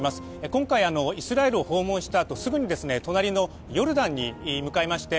今回、イスラエルを訪問したあとすぐに隣のヨルダンへ向かいまして